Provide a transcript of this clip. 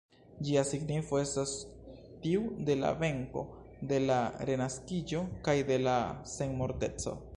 Ĝia signifo estas tiu de la venko, de la renaskiĝo kaj de la senmorteco.